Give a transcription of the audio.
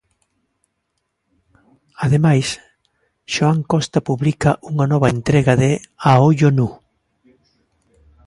Ademais, Xoán Costa publica unha nova entrega de "A ollo nu".